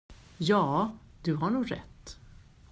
Ja, du har nog rätt.